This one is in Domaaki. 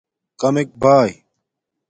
کمک باݵ